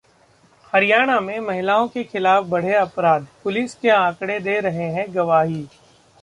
हरियाणा में महिलाओं के खिलाफ बढ़े अपराध, पुलिस के आंकड़े दे रहे हैं गवाही